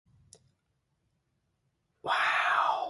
Wow.